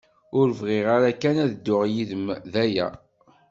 Ur bɣiɣ ara kan ad dduɣ yid-m, d aya.